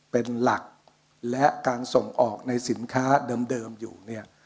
เป็นหลักและการส่งออกในสินค้าเดิมอยู่เนี่ย